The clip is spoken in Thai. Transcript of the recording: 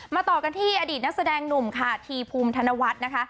ต่อกันที่อดีตนักแสดงหนุ่มค่ะทีภูมิธนวัฒน์นะคะ